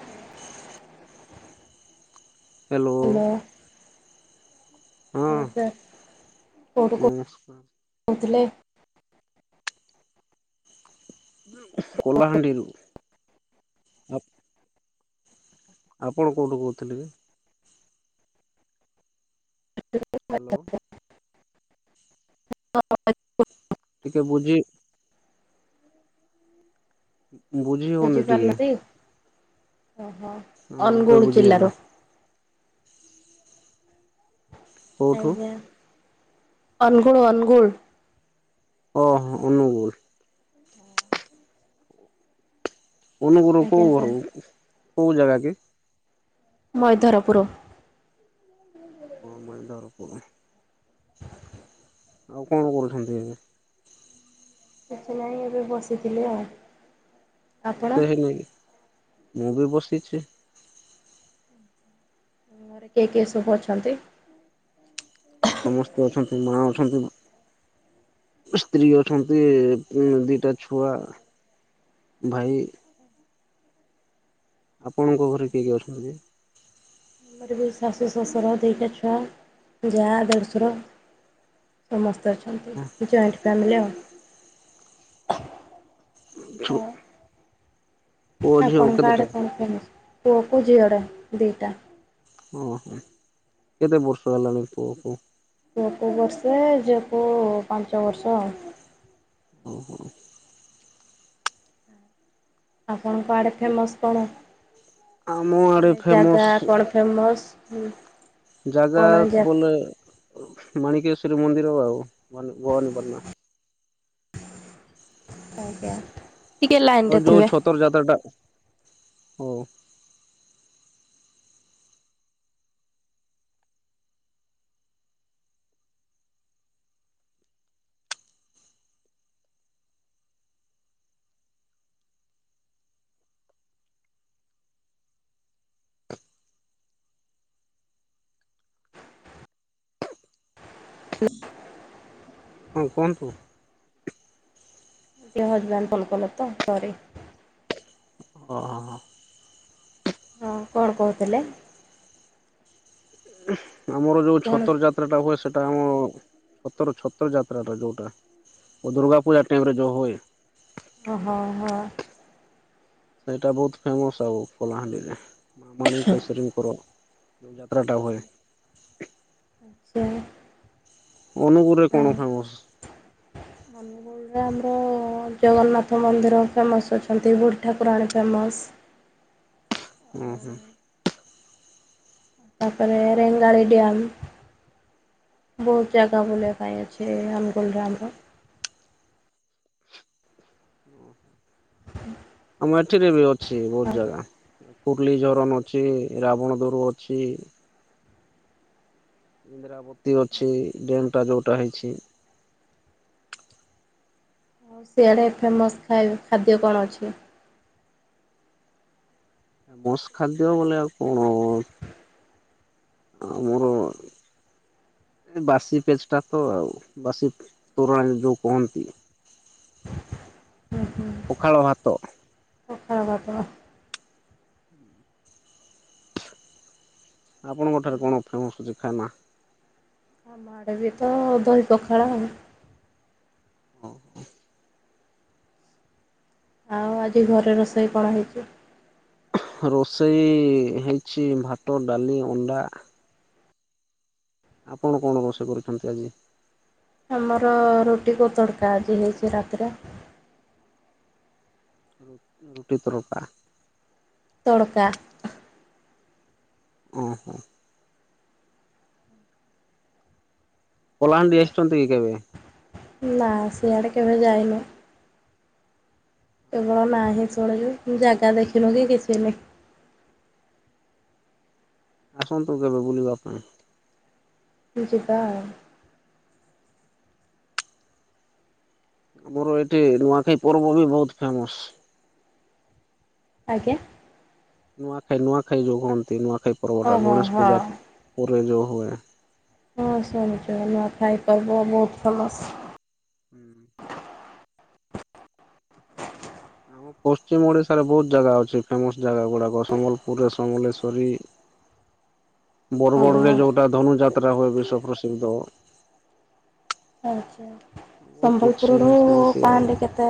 [inaudible] Hello ହଁ ନମସ୍କାର [unintelligible] କଲାହାଣ୍ଡିରୁ। ଆପଣ କେଉଁଠୁ କହୁଥିଲେ କି? ହ୍ୟାଲୋ [unintelligible] [unintelligible] ଟିକେ ବୁଝି ହୁଁ ବୁଝିପାରୁନାନ୍ତି ଓହୋ ହଁ ଏବେ ଅନୁଗୁଳ ବୁଝି ହେଲା ଜିଲ୍ଲାରୁ କେଉଁଠୁ ଅନଗୁଳ ଅନୁଗୁଳ ଓ ହ ଅନୁଗୁଲ ହଁ ଅନୁଗୁରୁ ଆଜ୍ଞା କେଉଁ ସାର୍ ଘର କେଉଁ ଜାଗା କି? ମଇଧରପୁର କୋଉ ମଇ ଧରପୂର୍? ଆଉ କଣ କରୁଛନ୍ତି ଏବେ? କିଛି ନାହିଁ ଏବେ ବସିଥିଲି ଆଉ। ଆପଣ ରୋଷେଇ ହେଇନି କି? ମୁଁ ବି ବସିଛେ। ଘରେ କିଏ କିଏ ସବୁ ଅଛନ୍ତି? ସମସ୍ତେ ଅଛନ୍ତି ମା ଅଛନ୍ତି ଭା ସ୍ତ୍ରୀ ଅଛନ୍ତି ଦିଟା ଛୁଆ। ଭାଇ। ଆପଣଙ୍କ ଘରେ କିଏ କିଏ ଅଛନ୍ତି? ମୋର ବି ଶାଶୁ, ଶଶୁର ଦିଟା ଛୁଆ ଯା, ଦେଢ଼ଶୁର। ସମସ୍ତେ ଅଛନ୍ତି ଜଏଣ୍ଟ ଫ୍ୟାମିଲି ଆଉ। ହଁ [unintelligible] ପୁଅ ଝିଅ ଆପଣଙ୍କ କେତେଟା ଆଡ଼େ କଣ ଫେମସ୍ ପୁଅକୁ ଝିଅଟା ଦିଇଟା। ଓହୋ କେତେ ବର୍ଷ ହେଲାଣି ପୁଅକୁ? ପୁଅକୁ ବର୍ଷେ ଝିଅକୁ ପାଞ୍ଚ ବର୍ଷ ଆଉ। ଓହୋ। ଆପଣଙ୍କ ଆଡେ ଫେମସ କଣ? ଆମ ଆଡେ ମାନେ ଫେମସ ଜାଗା କଣ ଫେମସ୍। ଜାଗା କଣ ଯା ବୋଲେ ମାଣିକେଶ୍ୱରୀ ମନ୍ଦିର ଆଉ ଭବାନୀ ଭବାନୀପାଟଣା। ଆଜ୍ଞା। ଟିକେ ଆଉ ଲାଇନରେ ଯୋଉ ଥିବେ। ଛତର ଯାତ୍ର ଟା ହଉ [unintelligible] ହଁ କୁଅନ୍ତୁ। ଟିକେ ହଜବ୍ୟାଣ୍ଡ କଲ କଲେତ ସରି। ଅହୋ। ହଁ କଣ କହୁଥିଲେ? ଆମର ଯୋଉ କଣ ଛତର ଜାତ ଯାତ୍ରା ଟା ହୁଏ। ସେଟା ଆମ ଛତର ଛତର ଯାତ୍ରାଟା ଯୋଉଟା। ଓ ଦୁର୍ଗାପୂଜା ଟାଇମରେ ଯୋଉ ହୁଏ। ଅ ହଁ ହଁ। ସେଇଟା ବହୁତ ଫେମସ୍ ଆଉ କଲାହାଣ୍ଡିରେ ମା ମାଣୀକେଶ୍ଵରୀଙ୍କର। ଯେଉ ଯାତ୍ରା ଟା ହୁଏ। ଆଚ୍ଛା। ଅନୁଗୁରେ କଣ ହଁ। ଫେମସ? ଏନେ ଆମର ଜଗନ୍ନାଥ ମନ୍ଦିର ଫେମସ୍ ଅଛନ୍ତି। ବୁଢ଼ୀ ଠାକୁରାଣୀ ଫେମସ୍। ଉଁ ହୁଁ। ତାପରେ ରେଙ୍ଗାଲି ଡ୍ୟାମ୍। ବହୁତ ଜାଗା ବୁଲିବା ପାଇଁ ଅଛି ଅନୁଗୁଳରେ ଆମର। ଉଁ ହୁଁ। [unintelligible] କୁମାଠୀ ରେ ବି ଅଛି ବହୁତ ଆଉ ଜାଗା। ପୂର୍ଲୀ ଜରନ୍ ଅଛି, ରାବଣ ଦରୁ ଅଛି। ଇନ୍ଦ୍ରାବତୀ ଅଛି ଡ୍ୟାମ୍ ଟା ଯୋଉଟା ହେଇଛି। ସିଆଡ଼େ ଫେମସ୍ ଖାଇ ଖାଦ୍ୟ କଣ ଅଛି? ବୋଷ୍ଟ ଖାଦ୍ୟ ବେଲେ ଆଉ କଣ? ଆଉ ମୋର ଏ ବାସି ପେଷ୍ଟା ଟା ତ ଆଉ ବାସି ତୋରାଣି ଯୋଉ କହନ୍ତି। ପଖାଳ ଭାତ। ଆଉ ବାପା ହୁଁ। ଆପଣଙ୍କ ଠାରେ କଣ ଫେମସ୍ ଅଛି ଖାଏମା? ଆମ ଆଡ଼େ ବି ତ ଦହି ପଖାଳ ଆଉ। ଓହୋ। ଆଉ ଆଜି ଘରେ ରୋଷେଇ କଣ ହେଇଚି? ରୋଷେଇ ହେଇଛି ଭାତ, ଡାଲି, ଅଣ୍ଡା,। ଆପଣ କଣ ରୋଷେଇ କରିଛନ୍ତି ଆଜି? ଆମର ରୁଟି କୁ ତଡକା ଆଜି ହେଇଛି ରାତିରେ। ରୁଟି ତଡ଼କା। ତଡ଼କା। ଓହୋ। କଳାହାଣ୍ଡି ଆସିଛନ୍ତି କେତେବେଳେ? ନା ସିଆଡ଼େ କେବେ ଯାଇନୁ? କେବଳ ନାହିଁ ଶୁଣିଚି। ଜାଗା ଦେଖିନୁ କି କିଛି ନାହିଁ। ଆସନ୍ତୁ କେବେ ବୁଲିବା ପାଇଁ? ଯିବା ଆଉ। ଆମର ଏଠି ନୂଆଖାଇ ପର୍ବ ବି ବହୁତ ଫେମସ୍। ଆଜ୍ଞା। ନୂଆଖାଇ ନୂଆଖାଇ ଯୋଉଁ ହୁହନ୍ତି ନୂଆଖାଇ ପର୍ବଟା ଓହୋ ଗଣେଶ ହଁ। ପୂଜା ପରେ ଯୋଉଁ ହୁଏ। ହଁ ଶୁଣିଛୁ ନୁଆଁଖାଇ ପର୍ବ ବହୁତ ଫେମସ୍। ହୁଁ। ଆମ ପଶ୍ଚିମ ଓଡିଶାରେ ବହୁତ ଜାଗା ଅଛି। ଫେମସ୍ ଜାଗା ଗୁଡାକ ସମ୍ବଲପୁର ସମଲେଶ୍ଵରୀ ଓହୋ ବରଗଡ଼ରେ ଯୋଉଁଟା ଧନୁଯାତ୍ରା ହୁଏ ବିଶ୍ଵ ପ୍ରସିଦ୍ଧ। ଆଚ୍ଛା। ବହୁତ ଅଛି ସମ୍ବଲପୁରରୁ ସେମିତି ଆଉ। କଳାହାଣ୍ଡି କେତେ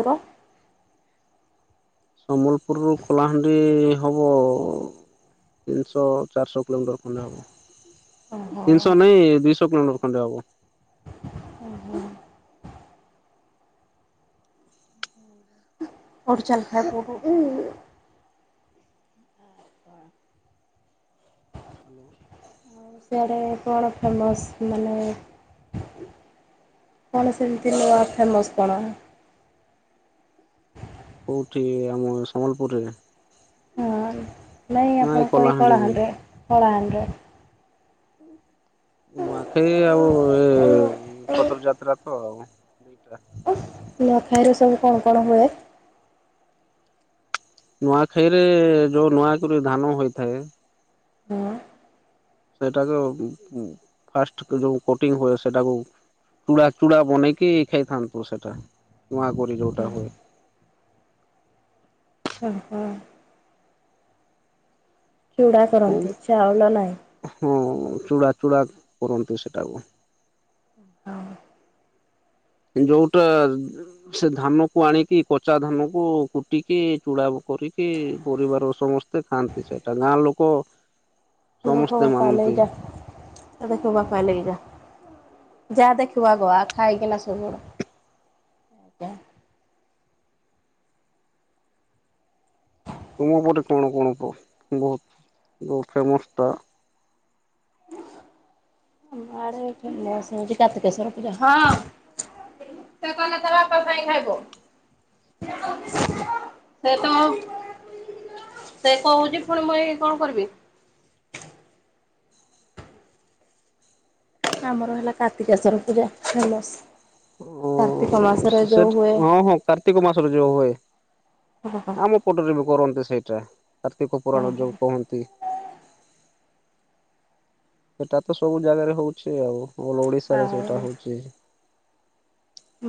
ଦୂର? ସମ୍ବଲପୁରରୁ କଳାହାଣ୍ଡି ହବ ତିନିଶହ ଚାରିଶହ କିଲୋମିଟର ଖଣ୍ଡେ ହେବ ଓହୋ ତିନିଶହ ନାଇଁ ଦୁଇଶହ କିଲୋମିଟର ଖଣ୍ଡେ ହବ। ଓହୋ। [unintelligible] ହ୍ୟାଲୋ। ଓଡିଶାରେ କଣ ଫେମସ୍ ମାନେ କଣ ସେମିତି ନୂଆ ଫେମସ୍ କଣ? କୋଉଠି ଆମ ସମ୍ବଲପୁରରେ ହଁ ନାଇଁ ନା ଆପଣ ଏଇ କହି କଳାହାଣ୍ଡିରେ? କଳାହାଣ୍ଡିଆ କଳାହାଣ୍ଡିଆ। ନୂଆଖାଇ ଆଉ ଏ ଛତ୍ର ଯାତ୍ରା ତ ଆଉ ଦିଟା। ନୂଆଖାଇରେ ସବୁ କଣ କଣ ହୁଏ? ନୂଆଖାଇରେ ଯୋଉ ନୂଆ କରି ଧାନ ହୋଇଥାଏ। ହଁ ସେଇଟାକୁ ଫାଷ୍ଟ ଯୋଉ କୋଟିଂ ହୁଏ ସେଇଟାକୁ ଚୂଡ଼ା ଚୂଡ଼ା ବନେଇକି ଖାଇଥାନ୍ତୁ ସେଟା ନୂଆ କରି ଯୋଉଟା ହୁଏ। ଓହୋ। ଖିଡ଼ା ଆଉ କରନ୍ତି ଚାଉଳ ନାହିଁ। ହଁ ଚୂଡ଼ା ଚୂଡ଼ା କରନ୍ତୁ ସେଟାକୁ। ଅହଁ। ଏ ଯୋଉଟା ସେ ଧାନ କୁ ଆଣିକି କଚା ଧାନ କୁ କୁଟିକି ଚୂଡା କରିକି ପରିବାର ସମ ଖାଆନ୍ତି ସେଟା ଗାଁ ଲୋକ ଦେଖ ସମସ୍ତେ ମାନନ୍ତି କଲେଇଟା। ଦେଖିବୁ ବାପା ନେଇକି ଯା ଯାଦେଖୀବୁ ଆଗ ଖାଇକିନା ସୋଇପଡ଼। ତୁମ ପଟେ କଣ କଣ ତ ବହୁତ ଜଉ ଫେମସ୍ ଟା ଆମଆଡେ ଫେମସ ହଉଚି କାର୍ତ୍ତିକେଶ୍ୱର ପୂଜା। ତ କନ ତ ବାପା ପାଇଁାଇ ଖାଇବ [inaudible] ସେଇ ତ [inaudible] ସେ କହୁଛି ଫୁଣି ମୁଇଁ କଣ କରିବି। ଆମର ହେଲା କାର୍ତ୍ତିକେଶ୍ଵର ପୂଜା ହେଲା। ଓ ସେ ହୁଏ ହଁ ହଁ କାର୍ତ୍ତିକ ମାସରେ ଯୋଉ ହୁଏ। ହଁ ହଁ। ଆମ ପଟରେ ବି କରନ୍ତି ସେଇଟା କାର୍ତ୍ତିକ ପୁରାଣ ଯୋଉ କହନ୍ତି। ସେଟା ତ ସବୁ ଜାଗାରେ ହଉଛି ଆଉ ଅଲ ଓଡିଶାରେ ସେଟା ଆଉ ହଉଛି।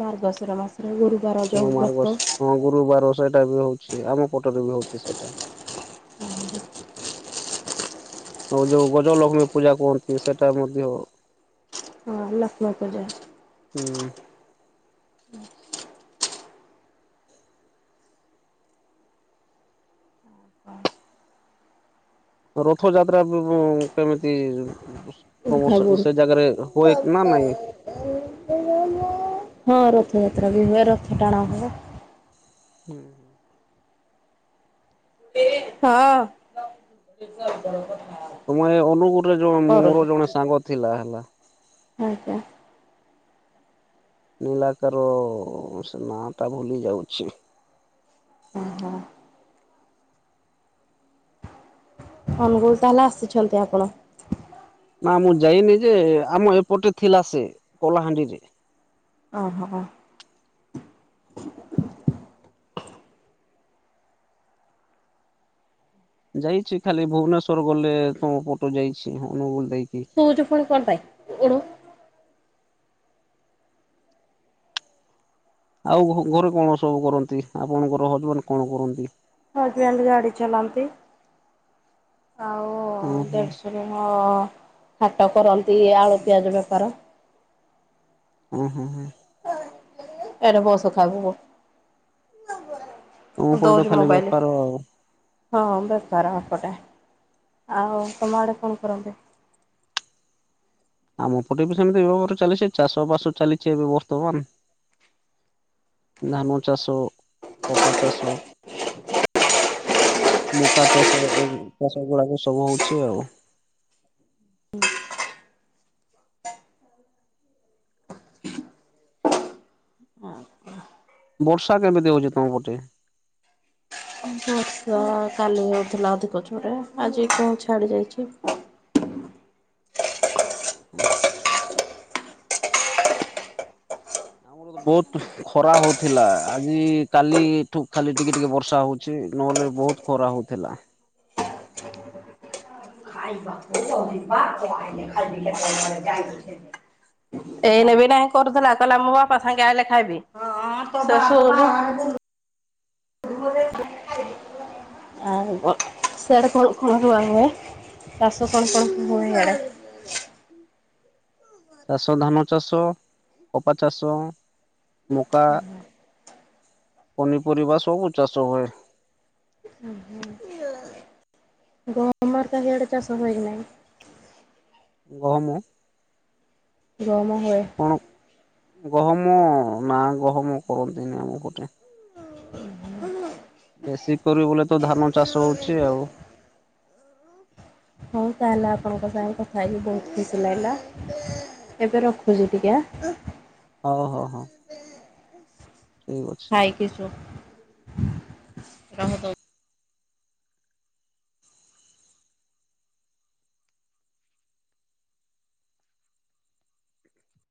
ମାର୍ଗଶୀର ମାସ। ଗୁରୁବାର। ଯୋଉ ହଁ ମାର୍ଗ ବ୍ରତ ହଁ ଗୁରୁବାର ସେଟା ବି ହଉଛି ଆମ ପଟରେ ବି ହଉଛି ସେଇଟା। ଆ [inaudible] ଆଉ ଯୋଉ ଗଜଲକ୍ଷ୍ମୀ ପୂଜା କୁହନ୍ତି ସେଟା ମଧ୍ୟ ହଁ ଲଖ୍ନ ପୂଜା। ହୁଁ। ହୁଁ। ରଥଯାତ୍ରା ପୃବୁ କେମିତି ତମ ଉର୍ଖା ବୁଡୁ ସେ ଜାଗାରେ ହୁଏକି ନା ନାଇଁ? ହଁ ରଥ ଯାତ୍ରା ବି ହୁଏ ରଥ ଟାଣା ହୁଏ। ହୁଁ। ହଁ [inaudible] ତମ ଏ ଅନୁଗୁରରେ ଜଉ କରୁଚି ମୋର ଜଣେ ସାଙ୍ଗ ଥିଲା ହେଲା। ଆଜ୍ଞା। ଇଲାକାର ସେ ନାଟା ଭୁଲି ଯାଉଛି। ହୁଁ ହୁଁ। ଅନୁଗୁଳ ତାହେଲେ ଆସିଛନ୍ତି ଆପଣ? ନା ମୁଁ ଯାଇନି ଯେ ଆମ ଏପଟେ ଥିଲା ସେ କଲାହାଣ୍ଡିରେ। ଓହୋ ହ। ଯାଇଛି ଖାଲି ଭୁବନେଶ୍ଵର ଗଲେ ତମ ପଟ ଯାଇଛି ଅନୁଗୁଲ ଦେଇକି। ସଉଛି ଫୁଣି କରି ପାଇଁ ଓଣ [inaudible] ଆଉ ଘରେ କଣ ସବୁ କରନ୍ତି ଆପଣଙ୍କର ହଜବେଣ୍ଡ କଣ କରନ୍ତି? ହଜବ୍ୟାଣ୍ଡ ଗାଡି ଚଲାନ୍ତି। ଆଉ ହୁଁ ହୁଁ ଦେଢ଼ସୁର ହାଟ କରନ୍ତି ଆଳୁ ପିଆଜ ବେପାର। ଉଁ ହୁଁ ହୁଁ। ଏନେ ବହୁତ ସୁଖାାଗବ ତମ [inaudible] ପଟେ ତ ଦୋଛି ଖାଲି ମୋବାଇଲ [inaudible] ବେପାର ଆଉ। ଆଉ ତୁମ ଆଡ଼େ କଣ କରନ୍ତି? ଆମ ପଟେବି ସେମିତି ଏ ବାବରେ ଚାଷ ବାସ ଚାଲିଛି ଏବେ ବର୍ତ୍ତମାନ। ଧାନ ଚାଷ କପା ଚାଷ। ମକା ଚାଷ ଏ ଚାଷ ଗୁଡାକ ସବୁ ହଉଛି ଆଉ। ବର୍ଷା କେମିତି ହଉଛି ତମ ପଟେ? ତ କାଲି ହଉଥିଲା ଅଧିକ ଜୋରରେ ଆଜି କେଉଁ ଛାଡ଼ି ଯାଇଛି। ଓ ଆମର ତ ବହୁତ ଖରା ହଉଥିଲା ଆଜି କାଲିଠୁ ଖାଲି ଟିକେ ଟିକେ ବର୍ଷା ହଉଛି ନହେଲେ ବହୁତ ଖରା ହେଉଥିଲା। [inaudible] ଏଇନେ ବି ନାହିଁ କରୁଥିଲା କହିଲା ମୋ ବାପା ସାଙ୍ଗେ ଆଇଲେ ଖାଇବି। [inaudible] ଆ ସିଆଡେ କଣ କଣ ରୁଆ ହୁଏ? ଚାଷ କଣ କଣ ହୁଏ? [unintelligible] ଚାଷ ଧାନ ଚାଷ କପା ଚାଷ ମକା ପନିପରିବା ସବୁ ଚାଷ ହୁଏ। ହ ତମର କା ହିଆଡ଼େ ଚାଷ ହୁଏ କି ନାହିଁ? ଗହମ ଗହମ ହୁଏ। କଣ ଗହମ ନା ଗହମ କରନ୍ତିନି ଆମ ପଟେ। ବେଶୀ କରି ବୋଲେ ତ ଧାନ ଚାଷ ହଉଛି ଆଉ। ହଉ ତାହେଲେ ଆପଣଙ୍କ ସାଙ୍ଗେ କଥା ହେଇକି ବହୁତ ଖୁସି ଲାଗିଲା। ଏବେ ରଖୁଛି ଟିକେ। ହଉ ହଉ ହଉ। ଠିକ୍ ଅଛି। ଖାଇକି ସୋ ରହ ଦୋ